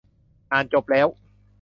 อ่านจบแล้ว !